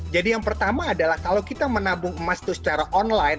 jadi yang pertama adalah kalau kita menabung emas itu secara online